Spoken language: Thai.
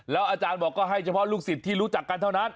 อาจารย์บอกก็ให้เฉพาะลูกศิษย์ที่รู้จักกันเท่านั้น